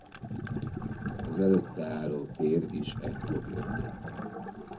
Az előtte álló tér is ekkor jött létre.